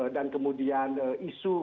dan kemudian isu